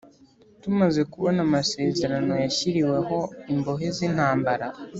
Tumaze kubona amasezerano yashyiriweho imbohe zintambara